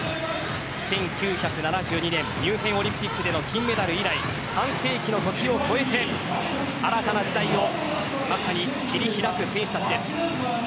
１９７２年ミュンヘンオリンピックでの金メダル以来半世紀の時を超えて新たな時代をまさに切り開く選手たちです。